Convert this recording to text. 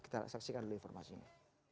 kita saksikan dulu informasinya